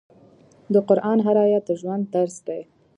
د قرآن هر آیت د ژوند درس دی.